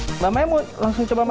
mbak mbak mau langsung coba masak